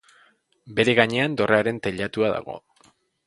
Bere gainean dorrearen teilatua dago.